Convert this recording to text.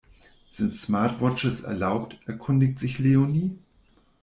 Sind Smartwatches erlaubt, erkundigt sich Leonie.